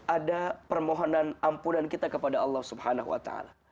ada permohonan ampunan kita kepada allah swt